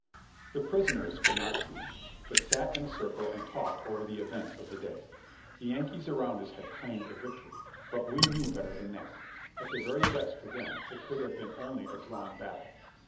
The prisoners could not sleep, but sat in a circle and talked over the events of the day. The Yankees around us had claimed a victory, but we knew better than that ; at the very best for them, it could have been only a drawn battle.